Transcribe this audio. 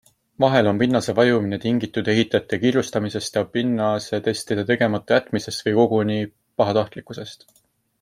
Vahel on pinnase vajumine tingitud ehitajate kiirustamisest ja pinnasetestide tegemata jätmisest või koguni pahatahtlikkusest.